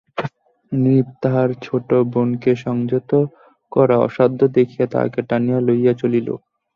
নৃপ তাহার ছোটো বোনকে সংযত করা অসাধ্য দেখিয়া তাহাকে টানিয়া লইয়া চলিল।